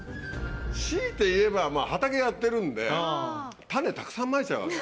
しいて言えば、畑やってるんで、種たくさんまいちゃうわけよ。